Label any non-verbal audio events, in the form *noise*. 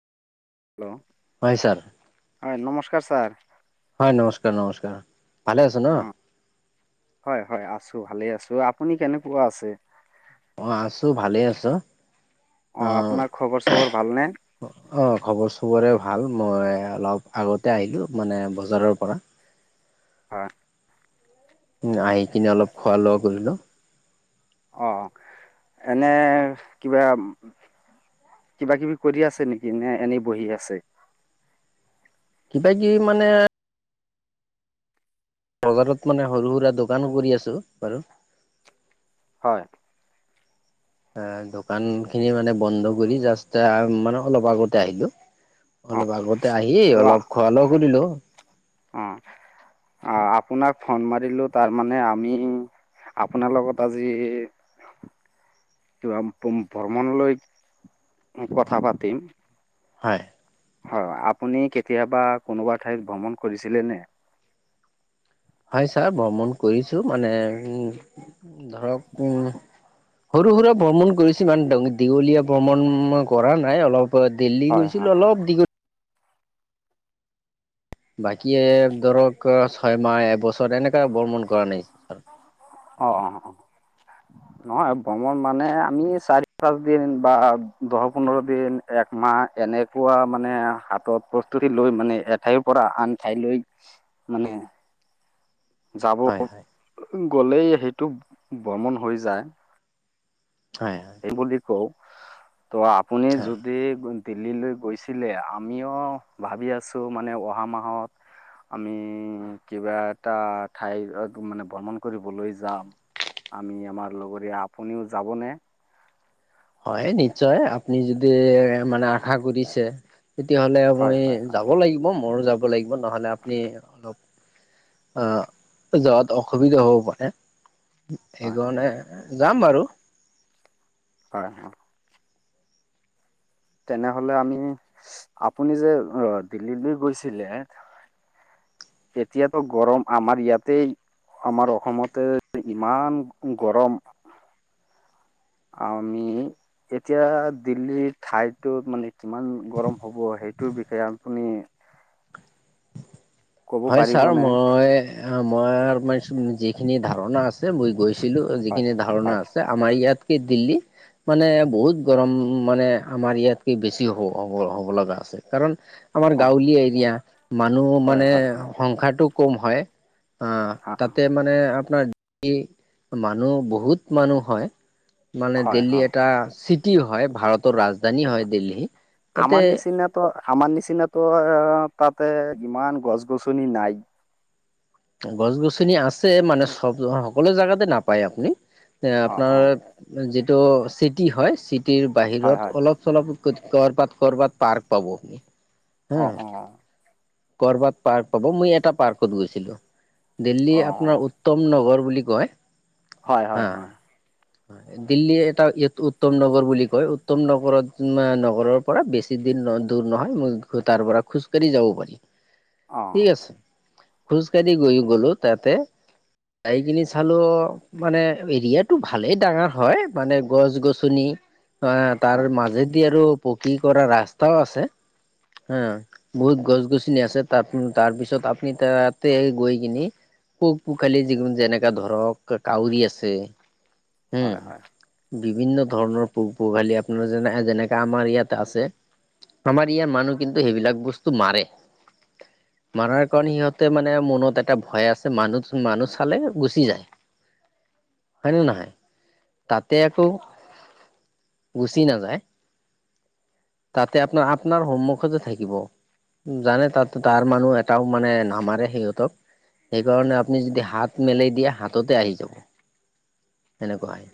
Hello হয় sir হয় নমস্কাৰ ছাৰ। হয় নমস্কাৰ নমস্কাৰ ভালে আছে ন। অঁ হয় হয় আছো ভালে আছো আপুনি কেনেকুৱা আছে। অ আছো ভালে আছো। অ আপোনাৰ খবৰ চবৰ ভালনে। খুবৰে ভাল মই অলপ আগতে আহিলোঁ মানে বজাৰৰ পৰা। হয়। উম আহি কিনে অলপ খোৱা লোৱা কৰিলোঁ। অ এনে কিবা কিবা কিবি কৰি আছে নেকি নে এনেই বহি আছে। কিবা কিবি মানে। বজাৰত মানে সৰু সুৰা দোকান কৰি আছোঁ বাৰু হয়। অ দোকান খিনি মানে বন্ধ কৰি জাষ্ট মানে অলপ আগতে আহিলো। অঁ অলপ আগতে আহি ত' অলপ খোৱা লোৱা কৰিলো। অ। আপোনাক ফোন মাৰিলো তাৰমানে আমি আপোনাৰ লগত আজি। ভ্ৰমণলৈ কথা পাতিম। হয়। হয় আপুনি কেতিয়াবা কোনোবা ঠাইত ভ্ৰমণ কৰিছিলে নে? হয় ছাৰ ভ্ৰমণ কৰিছো মানে উম। ধৰক উম সৰু সুৰা ভ্ৰমণ কৰিছে। কিমান দীঘলীয়া ভ্ৰমণ কৰা নাই অলপ দিল্লী হয় হয় গৈছিলো হয় অলপ দীঘলীয়া। বাকী ধৰক ছয় মাহ এবছৰ এনেকা ভ্ৰৰ্মন কৰা নাই। অ অ অ নহয় ভ্ৰমণ মানে আমি চাৰি পাঁচ দিন বা দহ পোন্ধৰ দিন একম মা এনেকুৱা মানে হাতত প্ৰস্তুতি লৈ মানে এঠাইৰ পৰা আন ঠাইলৈ। মানে যাব হয় হয় গ'লে সেইটো ভ্ৰমন হৈ যায়। হয় হয় এই বুলি কও। ত' আপুনি হয় যদি। দিল্লীলৈ গৈছিলে আমিও ভাবি আছো মানে অহা মাহত। আমি কিবা এটা ঠাই মানে ভ্ৰমণ কৰিবলৈ যাম। আমি আমাৰ লগৰীয়া আপুনিও যাবনে? হয় নিশ্চয় আপুনি যদি মানে আশা কৰিছে। তেতিয়াহলে হয় মই হয় হয় যাব লাগিব মোৰো যাব লাগিব নহ'লে আপুনি অলপ। আহ যোৱাত অসুবিধা হ'ব পাৰে সেইকাৰণে। যাম বাৰু। কৰা তে *unintelligible* এতিয়াতো গৰম আমাৰ ইয়াতেই আমাৰ অসমতে ইমান গৰম আ আমি এতিয়া দিল্লীৰ ঠাইতোত মানে কিমান গৰম হব হে সেইটোৰ বিষয়ে আপুনি ক'ব হয় ছাৰ পাৰিবনে মই মই যিখিনি ধাৰণা আছে মই গৈছ ছিলো হয় যিখিনি ধাৰণা হয় আছে আমাৰ ইয়াতকে দিল্লী মানে বহুত গৰম মানে আমাৰ ইয়াতকে বেছি হ হব হ'ব লগা আছে কাৰণ অ' আমাৰ গাঁৱলীয়া এৰিয়া মানুহ হয় মানে হয় হয় সংসাৰটো কম হয় আ হয় তাতে মানে আপোনাৰ মানুহ বহুত মানুহ হয় মানে হয় দিল্লী হয়। এটা চিটি হয় ভাৰতৰ ৰাজ ৰাজধানী হয় দিল্লী তাতে অমাৰ নিচিনাতো তাতে ইমান গছ গছনি নাই গছ গছনি আছে মানে চব সকলো জেগাতে নাপায় আপুনি এ অ' আপোনাৰ অ' যিটো চিটি হয় চিটিৰ হয় বাহিৰত হয় অলপ চলপ কৰবাত কৰ'বাত পাৰ্ক পাব হা অ অ কৰবাত পাৰ্ক পাব মই এটা পাৰ্কত গৈছিলো দিল্লী অ' আপোনাৰ উত্তম নগৰ বুলি কয় হয় হয় হয় হয় দিল্লী এটা উত্তম নগৰ বুলি কয় উত্তম নগৰত নগৰৰ পৰা বেছি দূৰ নহয় মই তাৰ পৰা খোজ কাঢ়ি যাব পাৰি। অ' ঠিক আছে খোজকাঢ়ি গৈ গলো তাতে গাই কিনি চালো মানে এৰিয়াটো ভালেই ডাঙৰ হয় মানে গছ গছনি অ তাৰ হয় মাজেদি আৰু পকী কৰা ৰাস্তাও আছে। হা বহুত গছ গছনি আছে তাৰ তাৰ পিছত আপুনি তাত তে গৈ কিনি পোক পোখালি যোনো যেনেকা ধৰক কাউৰী আছে। উম হয় হয়। বিভিন্ন ধৰণৰ পোক পোগালী আপোনাৰ যেনে যেনেকাে আমাৰ ইয়াত আছে। আমাৰ ইয়াৰ মানুহ কিন্তু সেইবিলাক বস্তু মাৰে মাৰাৰ কাৰণে সিহঁত মানে মনত এটা ভয় আছে মানুহ মানুহ চালে গুচি যায়। হয় ন নহয় তাতে আকৌ গুচি নাযায়। তাতে আপোনাৰ আপোনাৰ হোমৱৰ্ক যে থাকিব। জানে তাত তাৰ মানুহ এটাও মানে ন মাৰে সিহঁতক সেইকাৰণে আপুনি যদি হাত মেলি দিয়ে হাততে আহি যাব। সেনেকুৱাই